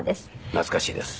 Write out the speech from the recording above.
懐かしいです。